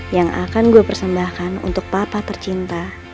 yang akan gue persembahkan untuk papa tercinta